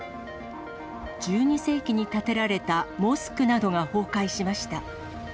１２世紀に建てられたモスクなどが崩壊しました。